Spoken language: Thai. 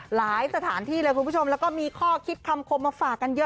หลายสถานที่เลยคุณผู้ชมแล้วก็มีข้อคิดคำคมมาฝากกันเยอะ